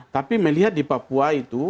tapi melihat di papua itu